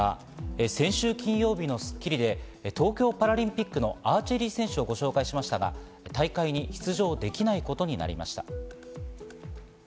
先週金曜日の『スッキリ』で東京パラリンピックのアーチェリー選手をご紹介しましたが、大会に出場できないことになりました。